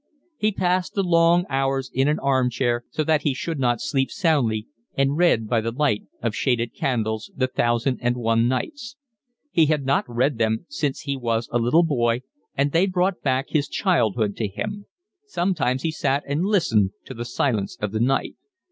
He passed the long hours in an arm chair so that he should not sleep soundly, and read by the light of shaded candles The Thousand and One Nights. He had not read them since he was a little boy, and they brought back his childhood to him. Sometimes he sat and listened to the silence of the night.